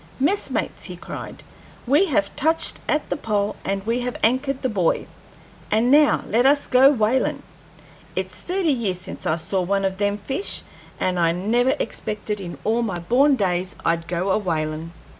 "Messmates!" he cried, "we have touched at the pole, and we have anchored the buoy, and now let us go whalin'. It's thirty years since I saw one of them fish, and I never expected in all my born days I'd go a whalin'."